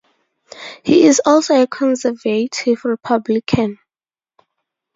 He is also a conservative Republican.